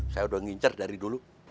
saya udah ngincar dari dulu